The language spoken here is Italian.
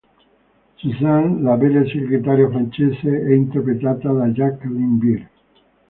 Suzanne, la bella segretaria francese, è interpretata da Jacqueline Beer.